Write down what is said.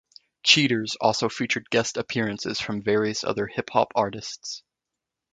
"Cheaters" also featured guest appearances from various other hiphop artists.